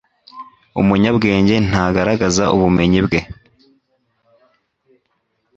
Umunyabwenge ntagaragaza ubumenyi bwe